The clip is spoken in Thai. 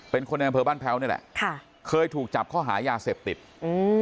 เป็นคนในอำเภอบ้านแพ้วนี่แหละค่ะเคยถูกจับข้อหายาเสพติดอืม